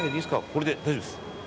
これで大丈夫です。